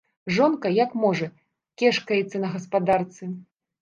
Жонка, як можа, кешкаецца на гаспадарцы.